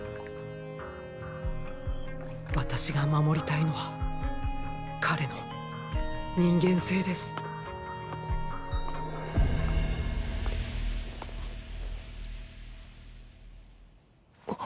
私が守りたいのは彼の人間性です。っ！